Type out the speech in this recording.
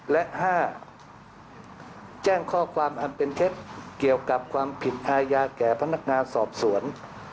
และ๕แจ้งข้อความอันเป็นเท็จเกี่ยวกับความผิดอาญาแก่พนักงานสอบสวน